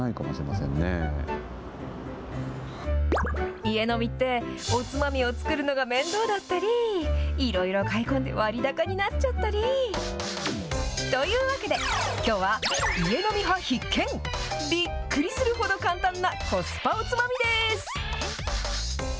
家飲みっておつまみを作るのが面倒だったり、いろいろ買い込んで割高になっちゃったり。というわけで、きょうは家飲み派必見、びっくりするほど簡単なコスパおつまみです。